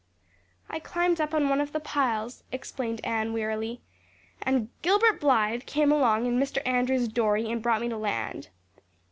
"I climbed up on one of the piles," explained Anne wearily, "and Gilbert Blythe came along in Mr. Andrews's dory and brought me to land."